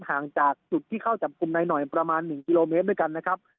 ห่างจากจุดที่เข้าจับกลุ่มนายหน่อยประมาณ๑กิโลเมตรด้วยกันนะครับ